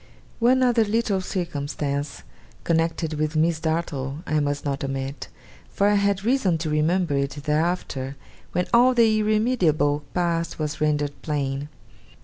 One other little circumstance connected with Miss Dartle I must not omit; for I had reason to remember it thereafter, when all the irremediable past was rendered plain.